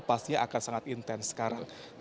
pasti akan sangat intens sekarang